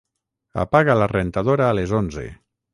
Apaga la rentadora a les onze.